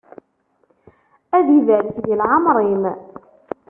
Ad ibarek di leεmeṛ-im!